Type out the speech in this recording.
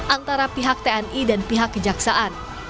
antara pihak tni dan pihak kejaksaan